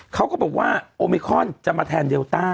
เขาก็บอกว่าโอมิคอนจะมาแทนเดลต้า